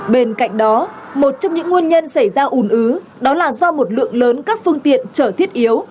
bên cạnh đó một trong những nguồn nhân xảy ra ồn ứ đó là do một lượng lớn các phương tiện trở thiết yếu